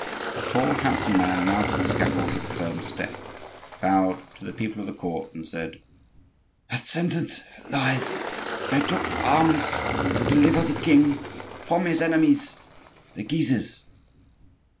A tall handsome man mounted the scaffold with a firm step, bowed to the people and the court, and said: "That sentence lies. I took arms to deliver the king from his enemies, the Guises."